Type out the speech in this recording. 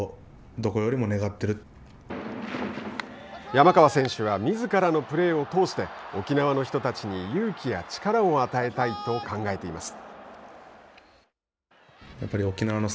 山川選手はみずからのプレーを通して沖縄の人たちに勇気や力を与えたいと考えています。